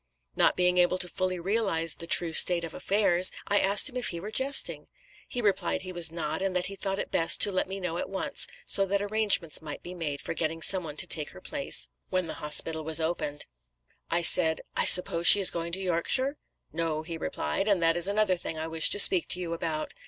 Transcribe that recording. Not being able to fully realise the true state of affairs, I asked him if he were jesting. He replied he was not, and that he thought it best to let me know at once, so that arrangements might be made for getting someone to take her place when the hospital was opened. I said, 'I suppose she is going to Yorkshire?' 'No,' he replied, 'and that is another thing I wish to speak to you about.